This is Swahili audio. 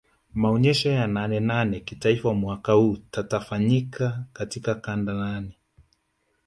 Maonyesho ya nane nane kitaifa mwaka huu tatafanyika katika kanda nane